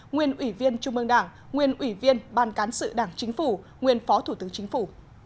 nguyên ủy viên trung ương đảng nguyên ủy viên ban cán sự đảng chính phủ nguyên phó thủ tướng chính phủ